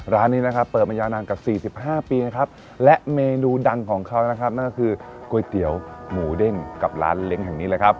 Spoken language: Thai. ร้านนี้นะครับเปิดมายาวนานกว่า๔๕ปีนะครับและเมนูดังของเขานะครับนั่นก็คือก๋วยเตี๋ยวหมูเด้งกับร้านเล้งแห่งนี้เลยครับ